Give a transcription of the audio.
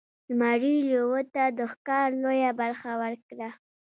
زمري لیوه ته د ښکار لویه برخه ورکړه.